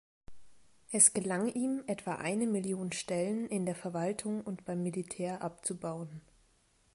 Es gelang ihm, etwa eine Million Stellen in der Verwaltung und beim Militär abzubauen.